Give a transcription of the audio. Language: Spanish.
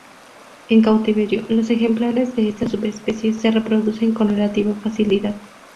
En cautiverio, los ejemplares de esta subespecie se reproducen con relativa facilidad.